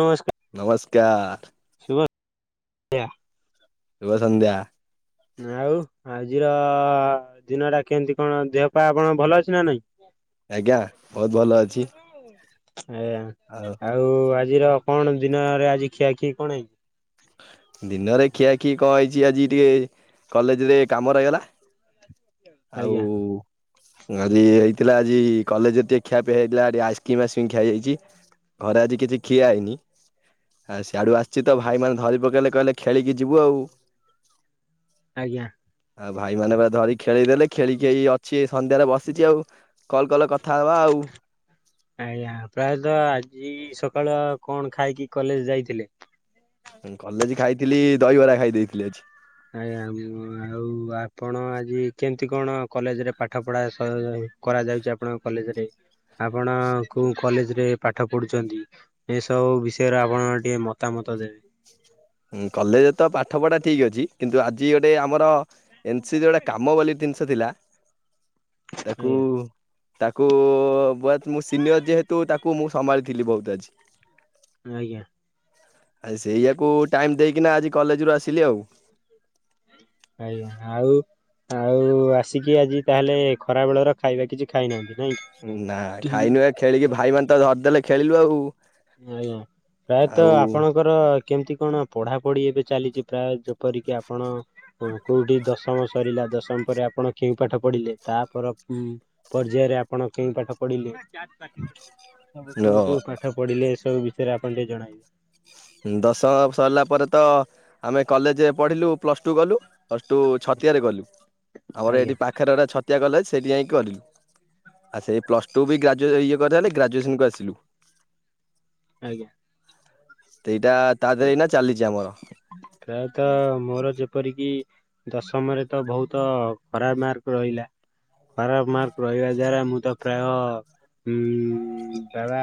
ନମସ୍କାର। ନମସ୍କାର। ଦିବ ଆ ଶୁଭସନ୍ଧ୍ୟା। ଆଉ ଆଜିର ଦିନ ଟା କେମତି କଣ ଦେହ ପା ଆପଣ ଭଲ ଅଛି ନା ନାଇଁ? ଆଜ୍ଞା ବହୁତ ଭଲ ଅଛି। ଏ ଆଉ ଆଜିର କଣ ଦିନରେ ଆଜି ଖିଆଖିଇ କଣ ହେଇଚି? ଦିନରେ ଖିଆଖିଇ କଣ ହେଇଚି ଆଜି ଟିକେ କଲେଜରେ କାମ ରହିଗଲା ଆଉ ଆଜ୍ଞା ଆଜି ହେଇଥିଲା ଆଜି କଲେଜରେ ଟିକେ ଖିଆପିଆ ହେଇଯାଇଥିଲା ଟିକ ଆଇସକିମ୍ ଆଇସ୍କିମ ଖିଆହେଇଯାଇଚି। ଘରେ ଆଜି କିଛି ଖିଆହେଇନି ହା ସ୍ୟାଡୁ ଆସଚି ତ ଭାଇମାନେ ଧରି ପକେଇଲେ କହିଲେ ଖେଳିକି ଯିବୁ ଆଉ। ଆଜ୍ଞା। ଆଉ ଭାଇମାନେ ପା ଧରିକି ଖେଳିଇଦେଲେ ଖେଳିକି ଏଇ ଅଛି ସନ୍ଧ୍ୟାରେ ବସିଚି ଆଉ କଲ୍ କଲ କ ଆଜ୍ଞା ପ୍ରାୟତ ଆଜି ସ ସକାଳୁ ଆଉ କଣ ଖାଇକି କଲେଜ ଯାଇଥିଲେ? ମୁଁ କଲେଜ ଖାଇଥିଲି ଦହିବରା ଖାଇ ଦେଇେଥିଲି ଆଜି। ଆଜ୍ଞା ଉମ୍ ଆଉ ଆପଣ ଆଜି କେମତି କଣ କଲେଜରେ ପାଠ ପଢା ସ କରାଯାଉଚି ଆପଣଙ୍କ କଲେଜରେ। ଆପଣ କୋଉ କଲେଜରେ ପାଠ ପଢୁଚନ୍ତି ଏସବୁ ବିଷୟରେ ଆପଣଙ୍କର ଟିକେ ମତାମ ଉତ୍ତର ଦେବେ ହୁଁ କଲେଜରେ ତ ପାଠପଢା ଠିକ ଅଛି କିନ୍ତୁ ଆଜି ଗୋଟେ ଆମର ଏନସି ଯେ ଗୋଟେ କାମ ବୋଲି ଦିନଷ ଥିଲା ତାକୁ ଆଜ୍ଞା ତାକୁ ବଏତ୍ ମୁଁ ସିନିୟର ଯେହେତୁ ତାକୁ ମୁଁ ସମ୍ଭାଳିଥିଲି ବୋହୁତ ଆଜି। ଆଜ୍ଞା। ଆ ସେଇଆକୁ ଟାଇମ୍ ଦେଇକିନା ଆଜି କଲେଜରୁ ଆସିଲି ଆଉ। ଆଜ୍ଞା ଆଉ। ଆଉ ଆସିକି ଆଜି ତାହେଲେ ଖରା ବେଳର ଖାଇବା କିଛି ଖାଇନାହାନ୍ତି? ନାଇଁ କି? ନା ଖାଇନୁ ଏ ଖେଳିକି ଭାଇମାନେ ତ ଧରିଦେଲେ ଖେଳିଲୁ ଆଉ। ଆଜ୍ଞା ପ୍ରାୟତ ଆଉ ଆପଣଙ୍କର କେମତି କଣ ପଢାପଢି ଏବେ ଚାଲିଚି ପ୍ରାୟେ ଯେପରିକି ଆପଣ କୋ କୋଉଠି ଦଶମ ସରିଲା ଦଶମ ପରେ ଆପଣ କେଉଁ ପାଠ ପଢିଲେ ତା ପର ଉଁ ପର୍ଯ୍ୟାୟରେ ଆପଣ କେଉଁ ପାଠ ପଢିଲେ? ସବୁ କୋଉ କୋଉ ପାଠ ପଢିଲେ ଏସବୁ ବିଷୟରେ ଆପଣ ଟିକେ ଜଣାଇବେ। ହୁଁ ଦଶହ ସରଲା ପରେ ତ ଆମେ କଲେଜରେ ପଢ଼ିଲୁ ପ୍ଲସ୍ ଟୁ କଲୁ ପ୍ଲସ୍ ଟୁ ଛ ତିଆରି କଲୁ ଆମର ଆଜ୍ଞା ଏଇଠି ପାଖରେ ଗୋଟେ ଛତିଆ କଲେଜ୍ ସେଇଠି ଯାଇକି କରିଲୁ। ଆଛା ଏଇ ପ୍ଲସ ଟୁ ବି ଗ୍ରାଜୁଏ ଇଏ କରଥା ହେଲେ ଗ୍ରାଜୁଏସନକୁ ଆସିଲୁ। ଆଜ୍ଞା। ସେଇଟା ତା ପ ଦେହରେ ଏଇନା ଚାଲିଛି ଆମର ପ୍ରାୟତ ମୋର ଯି ଯେପରିକି ଦଶମରେ ତ ବୋହୁତ ଖରାପ ମାର୍କ ରହିଲା। ଖରାପ ମାର୍କ ରହିବା ଦ୍ଵାରା ମୁଁ ତ ପ୍ରାୟ ଉଁ ବାବା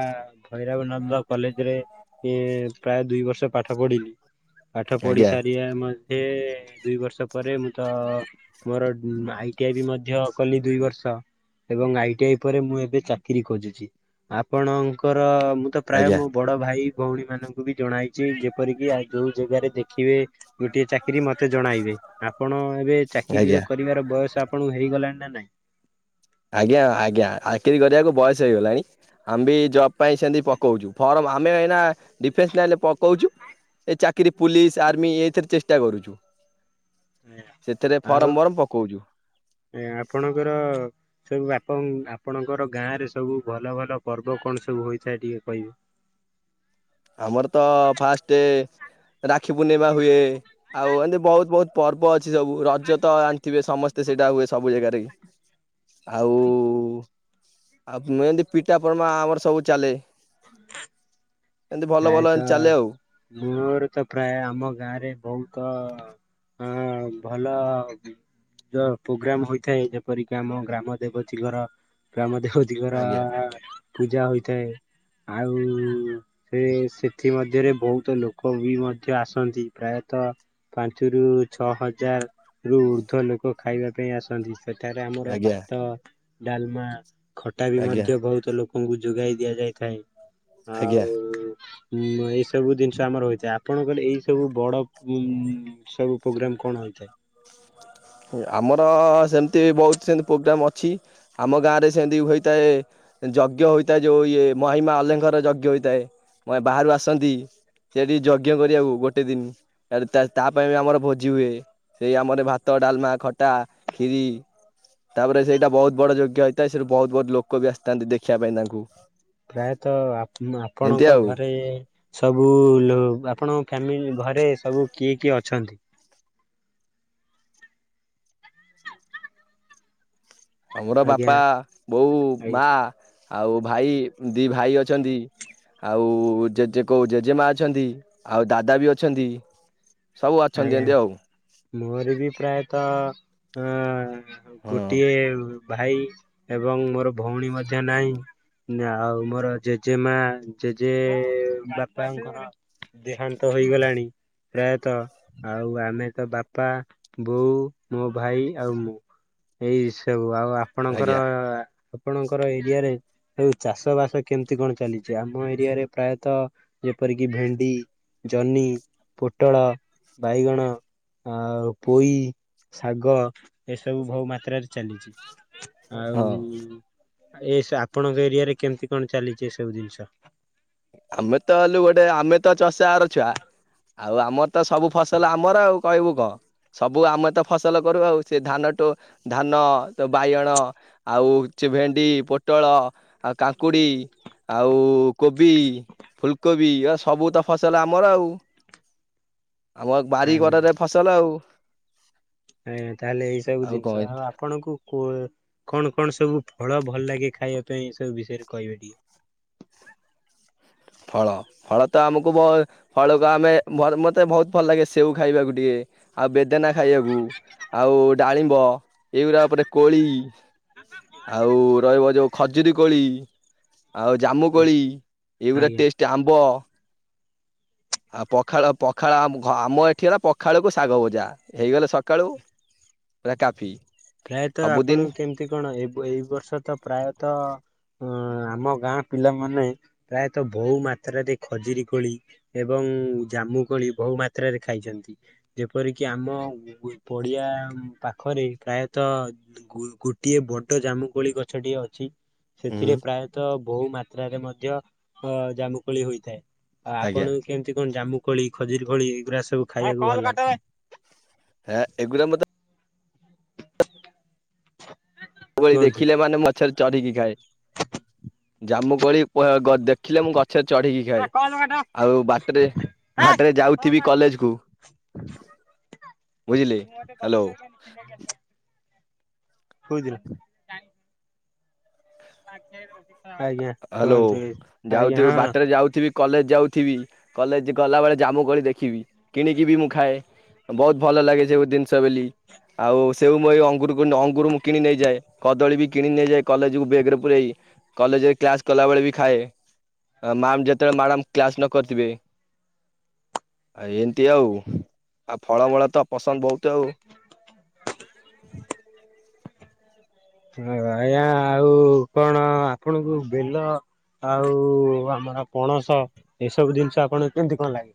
ଭୈରବାନନ୍ଦ କଲେ ରେ ଇଏ ପ୍ରାୟ ଦୁଇ ବର୍ଷ ପାଠ ପଢିଲି ପାଠ ପଢି ଆଜ୍ଞା ସାରିବା ମା ଇଏ ଦୁଇ ବର୍ଷ ପରେ ମୁଁ ତ ମୋର ଉଁ ଆଇଟି ଆଇ ବି ମଧ୍ୟ କଲି ଦୁଇ ବର୍ଷ। ଏବଂ ଆଇଟି ଆଇ ପରେ ମୁଁ ଏବେ ଚାକିରି ଖୋଜୁଚି ଆପଣଙ୍କର ମୁଁ ତ ପ୍ରାୟ ଆଜ୍ଞା ମୋ ବଡ ଭାଇ ଭୋଉଣୀ ମାନଙ୍କୁ ବି ଜଣାଇଚି ଯେପରିକି ଆଉ ଯୋଉ ଜେଗାରେ ଦେଖିବେ ଗୋଟିଏ ଚାକିରୀ ମତେ ଜଣାଇବେ ଆପଣ ଏବେ ଆଜ୍ଞା ଚାକିରୀର କରିବାର ବୟସ ଆପଣଙ୍କୁ ହେଇଗଲାଣି ନା ନାଇଁ। ଆଜ୍ଞା ଆଜ୍ଞା ଚାକିରି କରିବାକୁ ବୟସ ହେଇଗଲାଣି ଆମ୍ ବି ଜବ ପାଇଁ ସେମତି ପକୋଉଚୁ ଫର୍ମ ଆମେ ଏଇନା ଡିଫେନସ୍ ଲାଇନରେ ପକୋଉଚୁ। ଏଇ ଚାକିରି ପୁଲିସ୍ ଆର୍ମି ଏଇଥିରେ ଚେଷ୍ଟା କରୁଚି। ସେଥିରେ ଆଉ ଫରମ୍ ବରମ୍ ପକୋଉଚୁ। ଏ ଆପଣଙ୍କର ସବୁ ଆପଣ ଆପଣଙ୍କର ଗାଁରେ ସବୁ ଭଲଭଲ ପର୍ବ କଣ ସବୁ ହୋଇଥାଏ ଟିକେ କହିବେ। ହ ଆମର ତ ଫାଷ୍ଟେ ରାକ୍ଷୀ ପୂର୍ଣ୍ଣିମା ହୁଏ ଆଉ ଏମତି ବୋହୁତ ବୋହୁତ ପର୍ବ ଅ ଅଛି ସବୁ ରଜ ତ ଜାଣିଥିବେ ଥିବେ ସମସ୍ତେ ସେଇଟା ହୁଏ ସବୁ ଜାଗାରେକି। ଆଉ ଆଉ ମୁ ଏତି ପିଠାପନା [unintelligible] ପ୍ରାୟତ ଏମିତି ଚାଲେ ଆଉ ମୋର ତ ପ୍ରାୟ ଆମ ଗାଁରେ ବହୁତ ଅଁ ହଁ ଭଲ ଯ ପ୍ରୋଗ୍ରାମ ହୋଇଥାଏ ଯେପରିକି ଆମ ଗ୍ରାମ ଦେବତୀଙ୍କର ଗ୍ରାମ। ଦେବତୀଙ୍କର ଆଜ୍ଞା ପୂଜା ହୋଇଥାଏ ଆଉ ସେ ସେଥି ମଧ୍ୟରେ ବହୁତ ଲୋକ ବି ମଧ୍ୟ ଆସନ୍ତି ପ୍ରାୟତଃ। ପାଞ୍ଚରୁ ଛଅ ହଜାର ରୁ ଉର୍ଦ୍ଧ୍ୱ ଲୋକ ଖାଇବା ପାଇଁ ଆସନ୍ତି ସେଠାରେ ଆମର ଆଜ୍ଞା ଭାତ ଡାଲମା ଖଟା ବି ଆଜ୍ଞା ମଧ୍ୟ ବହୁତ ଲୋକ ଲୋକଙ୍କୁ ଯୋଗାଇ ଦିଆଯାଇଥାଏ ଆଜ୍ଞା ଆଉ ଏଇ ସବୁ ଜିନିଷ ଆମର ହୋଇଥାଏ। ଆପଣ କହିଲେ ଏଇ ସବୁ ବଡ ଉ ସବୁ ପ୍ରୋଗ୍ରାମ କଣ ହେଥାଏ। ଆମର ସେମିତି ବହୁତ ସେମିତି ପ୍ରୋଗ୍ରାମ୍ ଅଛି ଆମ ଗାଁରେ ସେମିତି ହୋଇଥାଏ। ଯଜ୍ଞ ହୋଇଥାଏ ଯୋଉ ଇଏ ମହିମା ଅଲେଙ୍କର ଯଜ୍ଞ ହୋଇଥାଏ ବାହାରୁ ଆସନ୍ତି। ସେଠି ଯଜ୍ଞ କରିବାକୁ ଗୋଟେ ଦିନ୍ ତା ପାଇଁ ବି ଆମର ଭୋଜି ହୁଏ ସେଇ ଆମର ଭା ଭାତ ଡାଲମା ଖଟା କ୍ଷରୀ। ତାପରେ ସେଇଟା ବହୁତ୍ ବଡ଼ ଯୋଗ୍ୟ ହେଇଥାଏ ସେରୁ ବହୁତ୍ ବହୁତ୍ ଲୋକ ବି ଆସିଥାନ୍ତି ଦେଖିବା ପାଇଁ ତାଙ୍କୁ ପ୍ରାୟତଃ ଏମିତି ଆପଣଙ୍କ ଆଉ। ଘରେ ସବୁ ଲୋ ଆପଣ ଫାମିଲ ଘରେ ସବୁ କିଏ କିଏ ଅଛନ୍ତି। ଆମର ଆଜ୍ଞା ବାପା ବୋଉ ଆଜ୍ଞା ମା ଆଉ ଭାଇ ଦି ଭାଇ ଅଛନ୍ତି। ଆଉ ଜେଜେ କୋଉ ଜେଜେମା ଅଛନ୍ତି ଆଉ ଦାଦା ବି ଅଛନ୍ତି। ସବୁ ଅଛନ୍ତି ଆଜ୍ଞା ଏମିତି ଆଉ ମୋର ବି ପ୍ରାୟତଃ ଅ ଉଁ ହଁ ଗୋଟିଏ ଭାଇ ଏବଂ ମୋର ଭଉଣୀ ମଧ୍ୟ ନାହିଁ। ଆଉ ମୋର ଜେଜେ ମା ଜେଜେ ବାପାଙ୍କର ଦେହାନ୍ତ ହୋଇଇଗଲାଣି ପ୍ରାୟତଃ। ଆଉ ଆମେ ତ ବାପା ବୋଉ ମୋ ଭାଇ ଆଉ ମୁଁ ଏଇ ଷବୁ ଆଉ ଆପଣଙ୍କର ଆଜ୍ଞା ଆପଣଙ୍କର ଏରିଆରେଉ ଚାଷ ବାସ କେମିତି କଣ ଚାଲିଛି ଆମ ଏରିଆରେ ପ୍ରାୟତଃ ଯେପରି ଯେପରିକି ଭେଣ୍ଡି ଜହ୍ନି ପୋଟଳ ବାଇଗଣ। ଆଉ ପୋଇ ଶାଗ ଏସବୁ ବହୁ ମାତ୍ରାରେ ଚାଲିଛି। ହଁ ଆଉ। ଏ ଆପଣଙ୍କ ଏରିଆରେ କେମିତି କଣ ଚାଲିଛି ଏ ସବୁ ଜିନିଷ। ଆମେ ତ ହେଲୁ ଗୋଟେ ଆମେ ତ ଚଷାଘରର ଛୁଆ ଆଉ ଆମର ତ ସବୁ ଫସଲ ତାହେଲେ ଆମର ଆଉ କହିବୁ କଁ ସବୁ ଆମେ ତ ଫସଲ କରୁ ଆଉ ସେ ଧାନଠୁ ଧାନ ତ ବାଇଗଣ ଆଉ ଚି ଭେଣ୍ଡି ପୋଟଳ ଆଉ କାଙ୍କୁଡି ଆଉ କୋବ୍ ଫୁଲ୍କୋବି ସବୁ ତ ଫସଲ ଆମର ଆଉ। ଆମ ବାରିିଘରରେ ଫସଲ ଆଉ। ଆ ତାହେଲେ ଏଇ ସବୁ ଜିନିଷ ଆଉ ଆପଣଙ୍କୁ କଣ କଣ ସବୁ। ହଳ ଭଲ ଲାଗେ ଖାଇବା ପାଇଁ ଏ ସବୁ ବିଷୟରେ କହିବେ ଟିକେ। ଫଳ ଫଳ ତ ଆମକୁ ବହୁ ଫଳକୁ ଆମେ ମତେ ବହୁତ ଭଲ ଲାଗେ ସେଉ ଖାଇବାକୁ ଟିକେ। ଆଉ ବେଦନା ଖାଇବାକୁ ଆଉ ଡାଳିମ୍ବ ଏଇଗୁଡ଼ା ଉପରେ କୋଳି ଆଉ ରହିବ ଯୋଉ ଖଜୁରୀ କୋଳି। ଆଉ ହୁଁ ଜାମୁକୋଳି ଏଇଗୁରା ଆଜ୍ଞା। ଟେଷ୍ଟ ଆମ୍ବ। ଆଉ ପଖାଳ ପଖାଳ ଆମ ଏଠିହେଲା ପଖାଳକୁ ଶାଗ ପୂଜା ହେଇଗଲେ ସକାଳୁ ସେ କାଫି। ପ୍ରାୟତଃ ସବୁଦିନ ଆପଣ କେମତି କଣ ଏ ଏଇ ବର୍ଷ ତ ପ୍ରାୟତଃ ଅ ଆମ ଗାଁ ପିଲାମାନେ ପ୍ରାୟତଃ ବହୁ ମାତ୍ରାରେ ଖଜୁରୀ କୋଳି ଏବଂ। ଜାମୁକୋଳି ବହୁ ମାତ୍ରାରେ ଖାଇଛନ୍ତି ଯେପରିକି ଆମ ପଡ଼ିଆ ଏଁ ପାଖରେ ପ୍ରାୟତ୍ ତ ଗୋଟିଏ ବଡ ଜାମୁକୋଳି ଗଛଟିଏ ଅଛି। ହୁଁ ସେଥିରେ ପ୍ରାୟତଃ ବହୁ ମାତ୍ରାରେ ମଧ୍ୟ ଅ ଜାମୁକୋଳି ହୋଇଥାଏ। ଆଜ୍ଞା ଆପଣ କେମିତି କଣ ଜାମୁ କୋଳି, ଖଜୁରୀ କୋଳି ଏଗୁରା ସବୁ ଖାଇବାକୁ ଭଲ ଲାଗେ। ହେ ଏଗୁରା ମତେ ବୁବେଳେ କୁହନ୍ତୁ ଦେଖିଲେ ମାନେ, ମୁଁ ଗଛରେ ଚଢିକି ଖାଏ। [unintelligible] ଜାମୁ କୋଳି ପ ଦେଖିଲେ ମୁଁ ଗଛରେ ଚଢିକି ଖାଏ। ଆଉ ବାଟରେ ଘାଟରେ ଯାଉଥିବି କଲେଜ କୁ ବୁଝିଲେ ହ୍ୟାଲୋ [inaudible] ଥୋଇ ଦେଲେ। [inaudible] ହ୍ୟାଲୋ! କୁହନ୍ତୁ ଆଜ୍ଞା ଯାଉଥିବି ହଁ। ବାଟରେ ଯାଉଥିବି, କଲେଜ ଯାଉଥିବି, କଲେଜ ଗଲା ବେଳେ ଜାମୁ କୋଳି ଦେଖିବି କିଣିକି ବି ମୁଁ ଖାଏ। ବହୁତ ଭଲ ଲାଗେ ଯୋଉ ଦିନ ଚା ବୋଲି ଆଉସ୍ ସେଓ ମୁଁ ଏଇ ଅଙ୍ଗୁରକୁ ଅଙ୍ଗୁର ମୁଁ କିଣି ନେଇଯାଏ, କଦଳୀ ବି କିଣି ନେଇଯାଏ, କଲେଜକୁ ବେଗେରେ ପୁରେଇ। କଲେଜରେ କ୍ଲାସ୍ କଲାବେଳେ ବି ଖାଏ। ମ୍ୟାାମ୍ ଯେତେବେଳେ ମ୍ୟାଡ଼ାମ୍ କ୍ଲାସ ନ କରିଥିବେ! ଏମିତି ଆଉ! ଆଉ, ଫଳମୂଳ ତ ପସନ୍ଦ ବହୁତ ଆଉ। [inaudible] ଆୟାଁ, ଆଉ କଣ ଆପଣଙ୍କୁ ବେଲ ଆଉ-ଉ ଆମର ପଣସ ଏସବୁ ଦିନଷ ଆପଣ କେମତି କଣ ଲାଗେ?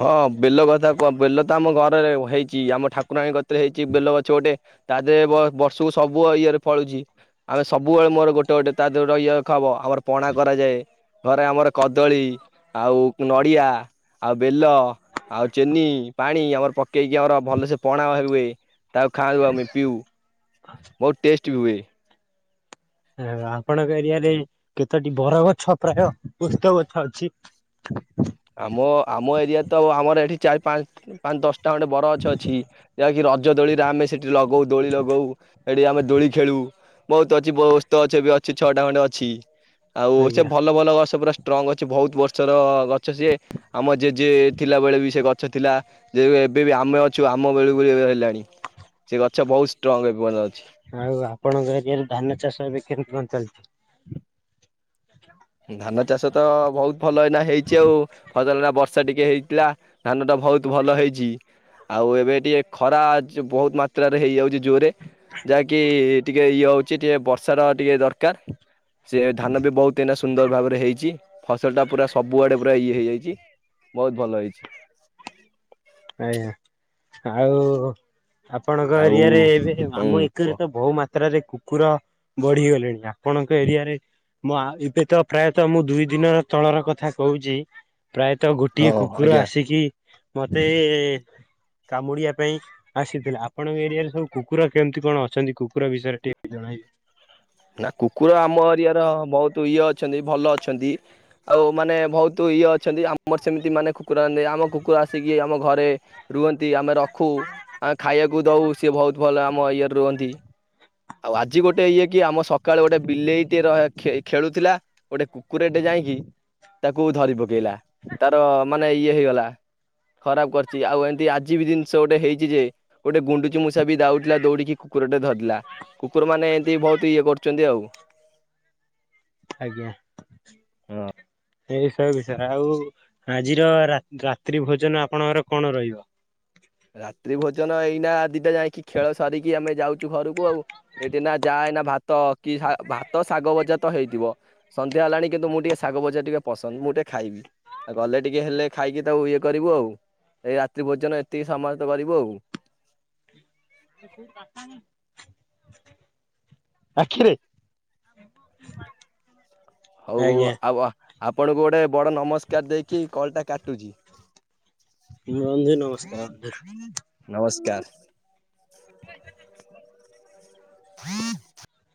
ହଁ, ବେଲ କଥା କୁହ ବେଲ ତ ଆମ ଘରେ ହେଇଛି। ଆମ ଠାକୁରାଣୀ କତିରେ ହେଇଛି, ବେଲ ଗଛ ଗୋଟେ ତା ଦେହରେ ବ-ବର୍ଷକୁ ସବୁ ଇଏରେ ଫଳୁଛି। ଆମେ ସବୁବେଳେ ମୋର ଗୋଟେ ଗୋଟେ ତା ଦେହରେ [unintelligible] ହବ। ଆମର ପଣା କରାଯାଏ। ଘରେ ଆମର କଦଳୀ, ଆଉ ନଡିଆ ଆଉ ବେଲ, ଆଉ ଚିନି, ପାଣି ଆମର ପକେଇକି ଆମର ଭଲସେ ପଣା ହ ହୁଏ। ତାକୁ ଖାଉ, ଆମେ ପିଉ, ବହୁତ ଟେଷ୍ଟ ହୁଏ। ଆପଣଙ୍କ, ଏରିଆରେ କେତୋଟି ବର ଗଛ ପ୍ରାୟ ଓସ୍ତ ଗଛ ଅଛି? ହ [unintelligible] ଆମ ଆମ ଏରିଆ ତ, ଆମର ଏଠି ଚାରି ପାଞ୍ଚ ପାଞ୍ଚ ଦଶ। ଟା ଅଁଟେ ବଡ଼ ଗଛ ଅଛି। ଯାହାକି ରଜ ଦୋଳିରେ ଆମେ ସେଠି ଲଗଉ ଦୋଳି ଲଗଉ। ଏଡି ଆମେ ଦୋଳି ଖେଳୁ ବହୁତ ଅଛି, ବୋ ଓସ୍ତ ଅଛ ବି ଅଛି ଛଅଟା ଖଣ୍ଡେ ଅଛି। ଆଉ ସେ ଆଜ୍ଞା ଭଲ ଭଲ ଗଛ ପୁରା ଷ୍ଟ୍ରଙ୍ଗ ଅଛି, ବହୁତ ବର୍ଷର ଗ ସିଏ ଆମ ଜେଜେ ଥିଲାବେଳେ ବି ସେ ଗଛ ଥିଲା। ଯେ ବେ ଏବେ ବି ଆମେ ଅଛୁ, ଆମ ବେଳକୁ ହେଲାଣି। ସେ ଗଛ ବହୁତ ଷ୍ଟ୍ରଙ୍ଗ୍ ଏପନ୍ତ ଅଛି। ଆଉ, ଆପଣଙ୍କ ଏରିଆରେ ଧାନ ଚାଷ ଏବେ କେମତି କଣ ଚାଲିଛି? ଧାନ ଚାଷ ତ ବହୁତ ଭଲ ଏଇନା ହେଇଛି ଆଉ, ଫସଲଟା ବର୍ଷ ଷା ଟିକେ ହେଇଥିଲା ଧାନ ଟା ବହୁତ ଭଲ ହେଇଛି। ଆଉ, ଏବେ ଟିକେ ଖରା ଯ ବହୁତ ମାତ୍ରାରେ ହେଇଯାଉଛି, ଜୋରରେ। ଯାହାକି ଟିକେ ଇଏ ହଉଛି, ଟିକେ ବର୍ଷା ର ଟିକେ ଦରକାର। ସେ ଧାନ ବି ବହୁତ ଏଇନା ସୁନ୍ଦର ଭାବରେ ହେଇଛି। ଫସଲ ଟା ପୁରା ସବୁଆଡେ ପୁରା ଇଏ ହେଇଯାଇଛି, ବହୁତ ଭଲ ହେଇଛି। ଆ଼ୟାଁ ଆଉ-ଉ, ଆପଣଙ୍କ ଆଉ ଏରିଆରେ ଏବେ, ହୁଁ ଆମ କୁହ ଏକରେ ତ ବହୁ ମାତ୍ରାରେ କୁକୁର ବଢିଗଲେଣି ନା। ଆପଣଙ୍କ ଏରିଆରେ ମଆ, ଏବେ ତ ପ୍ରାୟତଃ ମୁଁ ଦୁଇ ଦିନ ତଳର କଥା କହୁଛି। ପ୍ରାୟତଃ, ହଁ ଗୋଟିଏ କୁକୁର ଆଜ୍ଞା। ଆସିକି ସେ-ଏ -ଏ କାମୁଡିିଆ ପାଇଁ ଆସିଥିଲା। ଆପଣଙ୍କ ଏରିଆରେ ସବୁ କୁକୁର କେମିତି କଣ ଅଛନ୍ତି କୁକୁର ବିଷୟରେ ଟିକେ ଜଣାଇବେ। ହ [unintelligible] ନା, କୁକୁର ଆମ ଏରିଆ ର ବହୁତୁ ଇଅ ଅଛନ୍ତି। ଭଲ ଅଛନ୍ତି। ଆଉ ମାନେ ବହୁତ ଇ ଅ ଅଛନ୍ତି, ଆମର ସେମିତି ମାନେ କୁକୁର ଆନେ କୁକୁର ଆସିକି ଆମ ଘରେ ରୁହନ୍ତି। ଆମେ ରଖ୍ ରଖୁ ଆ ଖାଇବାକୁ ଦୋଉ ସିଏ ବୋହୁତ ଭଲ ଆମ ଇଏରେ ରୁହନ୍ତି। ଆଉ ଆଜି ଗୋଟେ ଇଏ କି ଆମ ସକାଳୁ ଗୋଟେ ବିଲେଇଟେ ରଖି ଖେଳୁଥିଲା ଗୋଟେ କୁକୁରଟେ ଯାଇଁକି ତାକୁ ଧରି ପକେଇଲା ତାର ମାନେ ଇଏ ହେଇଗଲା। ଖରାପ କରିୁଛି ଆଉ ଏମିତି ଆଜି ବି ଜିନିଷ ଗୋଟେ ହେଇଛି ଯେ ଗୋଟେ ଗୁଣ୍ଡୁଚି ମୂଷା ବି ଦାଉଥିଲା ଦୌଡିକି। କୁକୁର ଟେ ଧରିଲା କୁକୁର ମାନେ ଏମିତି ବୋହୁତ ଇଏ କରୁଚନ୍ତି ଆଉ। ଆଜ୍ଞା‌। ହଁ ଏଇସବୁ ବିଷୟରେ ଆଉ ଆଜିର ରା-ରାତ୍ରି ଭୋଜନ ଆପଣଙ୍କର କଣ ରହିବ? ରାତ୍ରି ଭୋଜନ ଏଇନା ଦିଟା ଯାଇକି ଖେଳ ସରିକି ଆମେ ଯାଉଚୁ ଘରକୁ ଆଉ ଏଇଠି ନା ଯା କାହିଁକି ନା ଭାତ କି ଭାତ ଶାଗ ଭଜା ତ ହେଇଥିବ ସନ୍ଧ୍ୟା ହେଲାଣି କିନ୍ତୁ ମୁଁ ଟିକେ ଶାଗ ଭଜା ଟିକେ ପସନ୍ଦ। ମୁଁ ଟିକେ ଖାଇବି ଗଲେ ଟିକେ ହେଲେ ଖାଇକି ତା ଇଏ କରିବୁ ଆଉ ଏଇ ରାତ୍ରି ଭୋଜନ। ଏତିକି ସମୟତ କରିବୁ ଆଉ। [unintelligible] ଆଖିରେ ହୋଉ ହୋଉ ଆଜ୍ଞା ଆଉ ଆୱା ଆପଣଙ୍କୁ ଗୋଟେ ବଡ ନମସ୍କାର ଦେଇକି କଲ୍ ଟା କାଟୁଚି। ରୁହନ୍ତୁ ନମସ୍କାର ହୁଅନ୍ତୁ। ନମସ୍କାର।